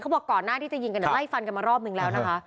บอกก่อนหน้าที่จะยิงกันไล่ฟันกันมารอบนึงแล้วนะคะ